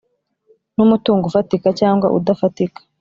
numutungo ufatika cyangwa udafatika